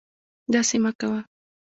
داسې مکوه